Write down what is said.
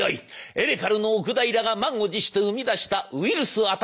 エレカルの奥平が満を持して生み出したウィルスアタッカー。